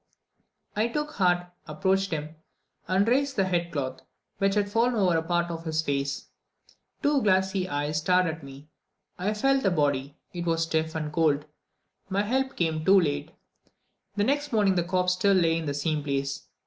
I took heart, approached him, and raised the head cloth, which had fallen over a part of his face; two glassy eyes stared at me. I felt the body; it was stiff and cold. My help came too late. The next morning the corpse still lay in the same place.